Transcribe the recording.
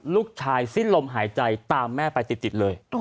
สิ้นลมหายใจตามแม่ไปติดเลย